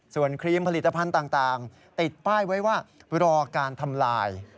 ส่วนครีมผลิตภัณฑ์ต่างติดป้ายไว้ว่ารอการทำลาย